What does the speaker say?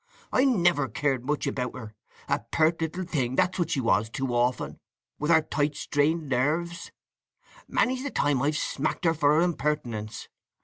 I never cared much about her. A pert little thing, that's what she was too often, with her tight strained nerves. Many's the time I've smacked her for her impertinence.